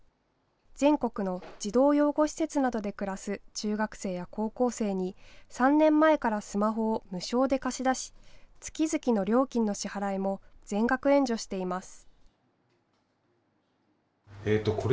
全国の児童養護施設などで暮らす中学生や高校生に３年前からスマホを無償で貸し出し月々の料金の支払いも全額援助しています。